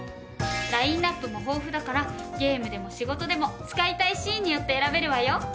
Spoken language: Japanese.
ラインアップも豊富だからゲームでも仕事でも使いたいシーンによって選べるわよ。